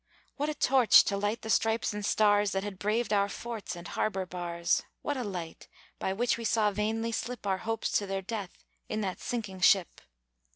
What a torch to light the stripes and stars That had braved our forts and harbor bars! What a light, by which we saw vainly slip Our hopes to their death in that sinking ship!